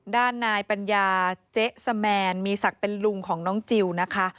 ด้านนายปัญญาเจ๊สแมนมีศักดิ์เป็นลุงของน้องจิลนะคะ